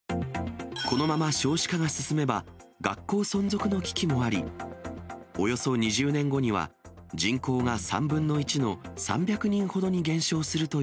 このまま少子化が進めば、学校存続の危機もあり、およそ２０年後には人口が３分の１の３００人ほどに減少するとい